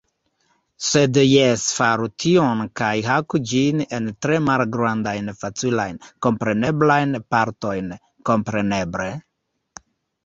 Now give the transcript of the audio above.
Sed jes faru tion kaj haku ĝin en tre malgrandajn facilajn, kompreneblajn partojn. Kompreneble.